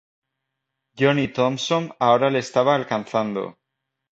Johnny Thomson ahora le estaba alcanzando.